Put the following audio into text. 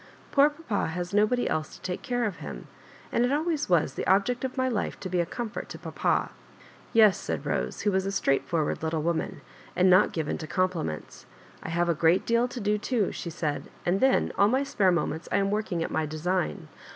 Poor papa has nobody else to take care of him, and it always was the object of my life to be a com fort to papa." Yes," said Bose. who was a straightforward little woman, and not given to compliments. " I have a great deal to do too," she said, •* and then all my spare moments I am working at my design.